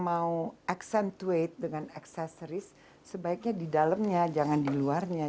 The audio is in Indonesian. mau accentuate dengan aksesoris sebaiknya di dalamnya jangan di luarnya